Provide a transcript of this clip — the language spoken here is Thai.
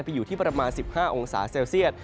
อยู่ที่ประมาณ๑๕องศาเซลเซียต